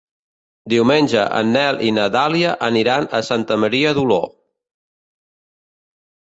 Diumenge en Nel i na Dàlia aniran a Santa Maria d'Oló.